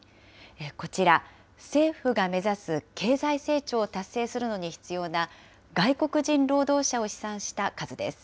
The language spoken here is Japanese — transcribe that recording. こちら、政府が目指す経済成長を達成するのに必要な外国人労働者を試算した数です。